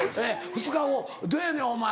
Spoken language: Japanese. ２日後どやねんお前。